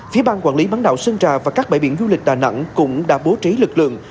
phía bang quản lý bán đảo sơn trà và các bãi biển du lịch đà nẵng cũng đã bố trí lực lượng